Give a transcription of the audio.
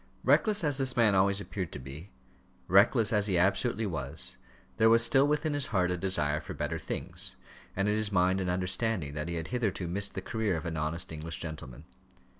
Reckless as this man always appeared to be, reckless as he absolutely was, there was still within his heart a desire for better things, and in his mind an understanding that he had hitherto missed the career of an honest English gentleman.